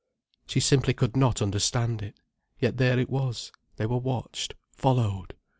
She simply could not understand it. Yet there it was: they were watched, followed.